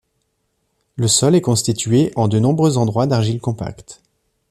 Le sol est constitué en de nombreux endroits d'argiles compacts.